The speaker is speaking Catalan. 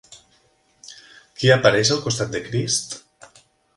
Qui apareix al costat de Crist?